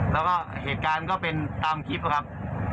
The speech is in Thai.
แล้วก็เหตุการณ์ก็เป็นตามคลิปครับ